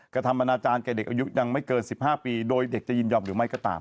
กระทำอนาจารย์แก่เด็กอายุยังไม่เกิน๑๕ปีโดยเด็กจะยินยอมหรือไม่ก็ตาม